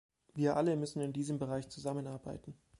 Wir alle müssen in diesem Bereich zusammenarbeiten.